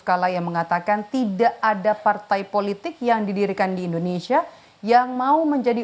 kala yang mengatakan tidak ada partai politik yang didirikan di indonesia yang mau menjadi